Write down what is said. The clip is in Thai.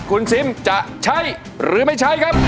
คุณซิมจะใช้หรือไม่ใช้ครับ